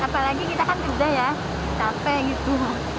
apalagi kita kan kerja ya capek gitu